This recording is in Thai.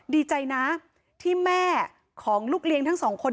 ดีใจนะที่แม่ของลูกเลี้ยงทั้งสองคน